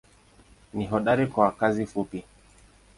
Ni hodari kwa kazi fupi.